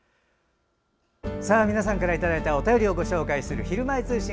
皆さんからいただいたお便りをご紹介する「ひるまえ通信」